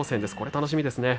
楽しみですね。